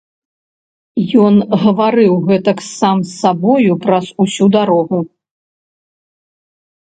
Ён гаварыў гэтак сам з сабою праз усю дарогу.